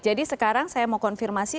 jadi sekarang saya mau konfirmasi